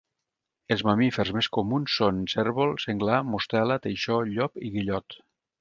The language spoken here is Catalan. Els mamífers més comuns són cérvol, senglar, mostela, teixó, llop i guillot.